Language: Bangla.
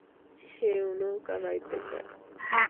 সেও নৌকা বাইতে চায়।